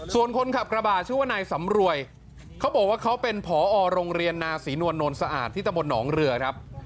ส่วนคนขับกระบาดชื่อว่านายสำรวยเขาบอกว่าเขาเป็นผอโรงเรียนนาศรีนวลโนนสะอาดที่ตะบนหนองเรือครับ